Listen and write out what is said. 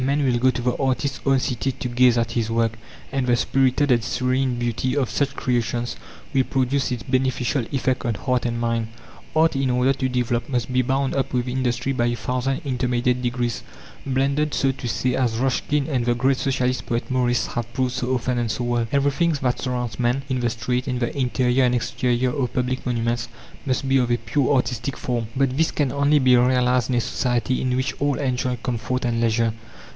Men will go to the artist's own city to gaze at his work, and the spirited and serene beauty of such creations will produce its beneficial effect on heart and mind. Art, in order to develop, must be bound up with industry by a thousand intermediate degrees, blended, so to say, as Ruskin and the great Socialist poet Morris have proved so often and so well. Everything that surrounds man, in the street, in the interior and exterior of public monuments, must be of a pure artistic form. But this can only be realized in a society in which all enjoy comfort and leisure.